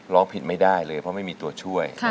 ร้องผิดไม่ได้เลยเพราะไม่มีตัวช่วย